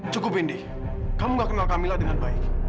cukup indi kamu nggak kenal kamila dengan baik